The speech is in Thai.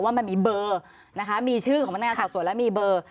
ว่ามันมีเบอร์นะคะมีชื่อของพนักงานสอบสวนและมีเบอร์